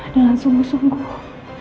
dengan sungguh sungguh